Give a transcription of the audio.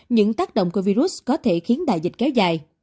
những tác động của virus có thể khiến đại dịch kéo dài